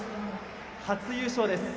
初優勝です。